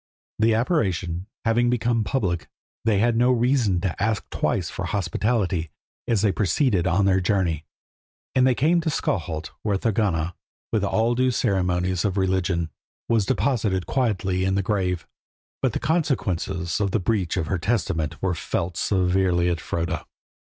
The apparition having become public, they had no reason to ask twice for hospitality as they proceeded on their journey, and they came to Skalholt, where Thorgunna, with all due ceremonies of religion, was deposited quietly in the grave. But the consequences of the breach of her testament were felt severely at Froda.